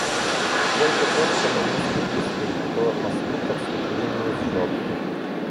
Только тот коммунист истый, кто мосты к отступлению сжег.